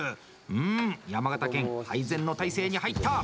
うん山形県配膳の態勢に入った！